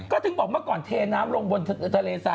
ก็ถึงบอกเมื่อก่อนเทน้ำลงบนทะเลทราย